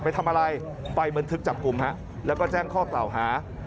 ไปทำอะไรไปบันทึกจับกลุ่มฮะแล้วก็แจ้งข้อกล่าวหา